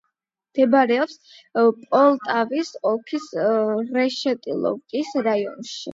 მდებარეობს პოლტავის ოლქის რეშეტილოვკის რაიონში.